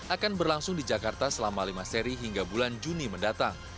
akan berlangsung di jakarta selama lima seri hingga bulan juni mendatang